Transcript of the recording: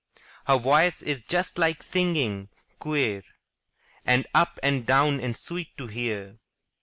Her voice is just like singing — queer, And up and down and sweet to hear.